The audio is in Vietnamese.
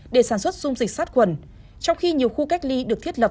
để sản xuất dung dịch sát khuẩn trong khi nhiều khu cách ly được thiết lập